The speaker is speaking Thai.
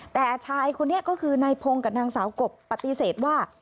แต่ชายคนนี้ก็คือนายพงศ์กับนางสาวกบปฏิเสธว่า